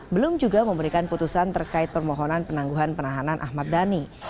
belum juga memberikan putusan terkait permohonan penangguhan penahanan ahmad dhani